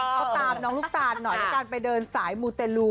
เพราะตามน้องลูกตานหน่อยกันไปเดินสายมูธรระดูก